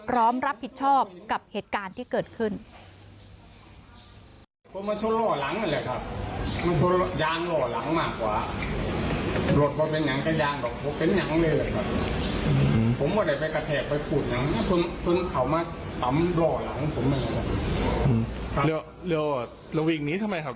พร้อมรับผิดชอบกับเหตุการณ์ที่เกิดขึ้น